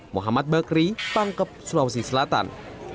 muhammad bakri pangkep sulawesi selatan